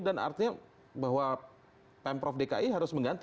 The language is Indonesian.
dan artinya bahwa pemprov dki harus mengganti